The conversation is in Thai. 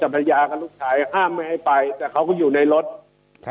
ภรรยากับลูกชายห้ามไม่ให้ไปแต่เขาก็อยู่ในรถครับ